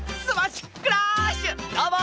どうも！